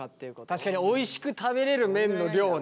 確かにおいしく食べれる麺の量ね。